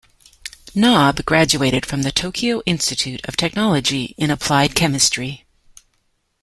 Nob graduated from the Tokyo Institute of Technology in applied chemistry.